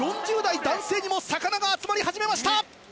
４０代男性にも魚が集まり始めました。